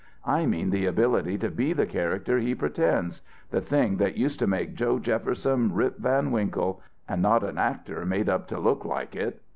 I mean the ability to be the character he pretends the thing that used to make Joe Jefferson Rip Van Winkle and not an actor made up to look like it.